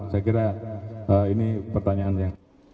saya kira ini pertanyaannya